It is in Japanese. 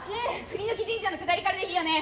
栗の木神社のくだりからでいいよね？